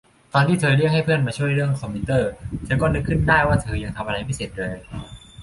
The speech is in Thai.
ตอนที่เธอเรียกให้เพื่อนมาช่วยเรื่องคอมพิวเตอร์ เธอก็นึกขึ้นได้ว่าเธอยังทำอะไรไม่เสร็จเลย